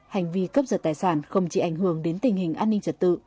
hành vi cấp giật tài sản không chỉ ảnh hưởng đến tình hình an ninh trật tự